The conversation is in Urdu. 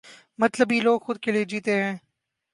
مطلبی لوگ خود کے لئے جیتے ہیں۔